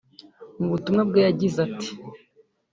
Mu butumwa bwe yagize ati